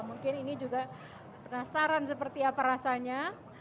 mungkin ini juga penasaran seperti apa rasanya